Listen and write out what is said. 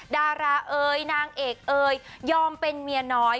ดาราเอ๋ยนางเอกเอยยอมเป็นเมียน้อย